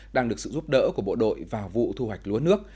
đang được sự giúp đỡ của bộ đội vào vụ thu hoạch lúa nước